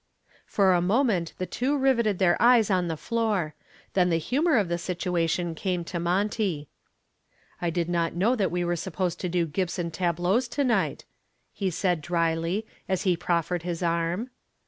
For a moment the two riveted their eyes on the floor. Then the humor of the situation came to Monty. "I did not know that we were supposed to do Gibson tableaux to night," he said drily as he proffered his arm.